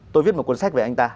tôi viết một cuốn sách về anh ta